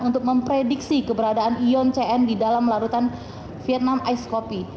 untuk memprediksi keberadaan ion cn di dalam larutan vietnam ice copy